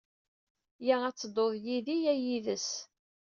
Ya ad ttedduḍ yid-i, ya yid-s.